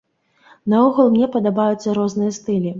Наогул мне падабаюцца розныя стылі.